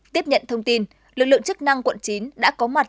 tiếp nhận thông tin lực lượng chức năng quận chín đã có mặt